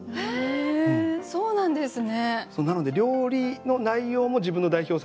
そうなんですね。